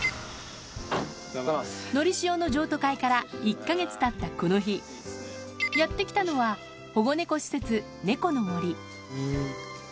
のりしおの譲渡会から１か月たったこの日、やって来たのは、保護猫施設、猫の森。